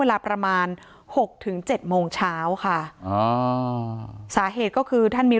เวลาประมาณหกถึงเจ็ดโมงเช้าค่ะอ๋อสาเหตุก็คือท่านมี